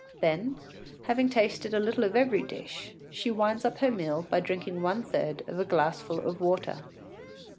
Then, having tasted a little of every dish, she winds up her meal by drinking one third of a glassful of water.